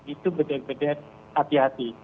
itu beda beda hati hati